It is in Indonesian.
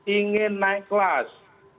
ingin naik kelas